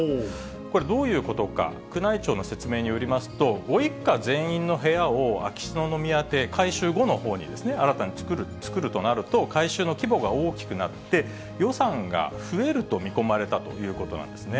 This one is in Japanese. これどういうことか、宮内庁の説明によりますと、ご一家全員の部屋を秋篠宮邸、改修後のほうにですね、新たに作るとなると、改修の規模が大きくなって、予算が増えると見込まれたということなんですね。